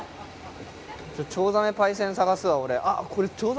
チョウザメパイセン探すわ俺。